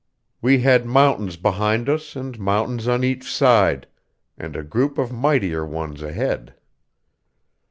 We had mountains behind us and mountains on each side, and a group of mightier ones ahead.